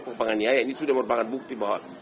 penganiaya ini sudah membuktikan